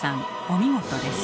お見事です。